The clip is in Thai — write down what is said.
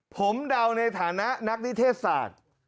ผมเดาในฐานะนักนิเทศศาสตร์